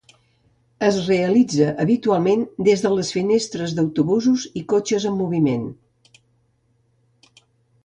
Es realitza habitualment des de les finestres d'autobusos i cotxes en moviment.